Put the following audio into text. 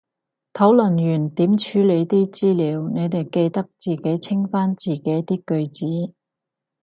討論完點處理啲資料，你哋記得自己清返自己啲句子